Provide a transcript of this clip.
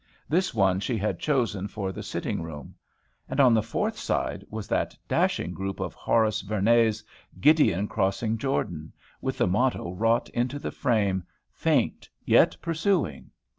This one she had chosen for the sitting room. And, on the fourth side, was that dashing group of Horace Vernet's, "Gideon crossing Jordan," with the motto wrought into the frame, "Faint, yet pursuing."